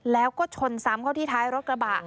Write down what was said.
แล้วก็ชนซ้ำเข้าที่ท้ายรถกระบะ